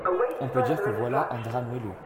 On peut dire que voilà un drap moelleux…